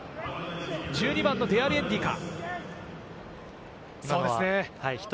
１２番のデアリエンディか？